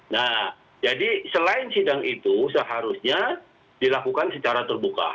nah jadi selain sidang itu seharusnya dilakukan secara terbuka